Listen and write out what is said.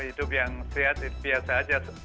hidup yang sehat biasa aja